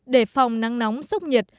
để phòng nắng nóng sốc nhiệt